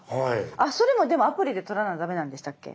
それもでもアプリで取らなダメなんでしたっけ？